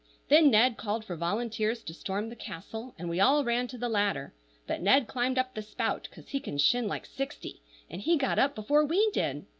Then Ned called for volunteers to storm the castle, and we all ran to the ladder; but Ned climbed up the spout, 'cause he can shin like sixty, and he got up before we did.